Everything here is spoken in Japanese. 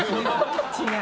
違う。